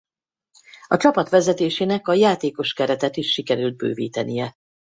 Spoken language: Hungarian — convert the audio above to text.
A csapat vezetésének a játékoskeretet is sikerült bővítenie.